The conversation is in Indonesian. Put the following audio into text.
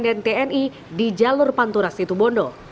dan tni di jalur panturas situbondo